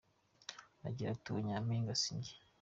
Agira ati “Uwo Nyampinga si jye.